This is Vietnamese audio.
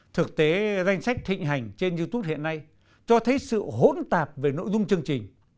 thực tế danh sách thịnh hành trên youtube hiện nay cho thấy sự hỗn tạp về nội dung chương trình